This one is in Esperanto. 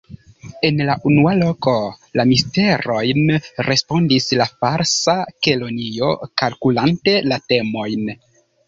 "En la unua loko, la Misterojn," respondis la Falsa Kelonio kalkulante la temojn.